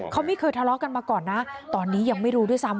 เขาไม่เคยทะเลาะกันมาก่อนนะตอนนี้ยังไม่รู้ด้วยซ้ำ